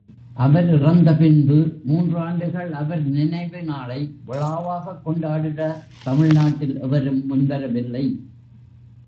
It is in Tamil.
அவர் இறந்த பின்பு மூன்றாண்டுகள் அவர் நினைவு நாளை விழாவாகக் கொண்டாட தமிழ்நாட்டில் எவரும் முன்வரவில்லை.